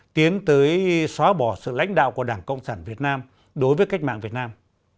tiến tới xóa bỏ sự lãnh đạo của đảng cộng sản việt nam đối với cách mạng việt nam